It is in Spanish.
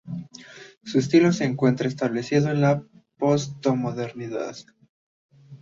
Su estilo se encuentra establecido en la postmodernidad.